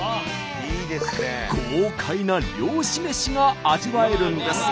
豪快な漁師めしが味わえるんです。